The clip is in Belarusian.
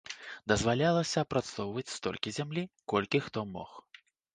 Дазвалялася апрацоўваць столькі зямлі, колькі хто мог.